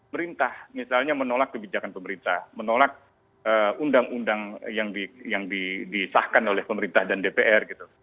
merintah misalnya menolak kebijakan pemerintah menolak undang undang yang disahkan oleh pemerintah dan dpr gitu